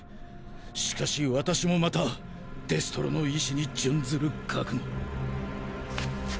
しかし私もまたデストロの遺志に殉ずる覚悟。